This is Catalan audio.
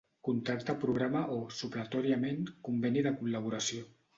Contracte programa o, supletòriament, conveni de col·laboració.